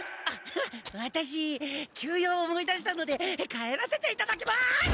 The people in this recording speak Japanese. アッハワタシ急用を思い出したので帰らせていただきます！